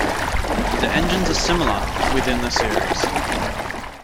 The engines are similar, within the series.